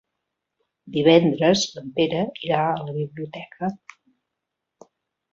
Divendres en Pere irà a la biblioteca.